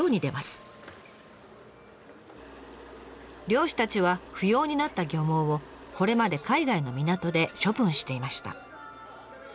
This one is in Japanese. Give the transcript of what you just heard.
漁師たちは不用になった漁網をこれまで海外の港で処分していました。